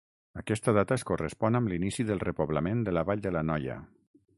Aquesta data es correspon amb l'inici del repoblament de la vall de l'Anoia.